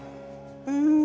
うん。